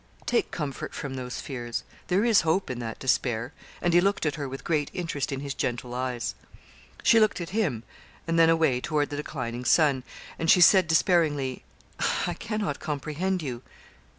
'Take comfort from those fears. There is hope in that despair;' and he looked at her with great interest in his gentle eyes. She looked at him, and then away toward the declining sun, and she said despairingly 'I cannot comprehend you.'